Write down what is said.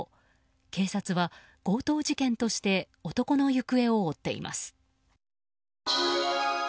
警察は強盗事件として男の行方を追っています。